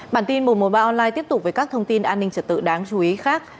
bản tin một trăm một mươi ba online tiếp tục với các thông tin an ninh trật tự đáng chú ý khác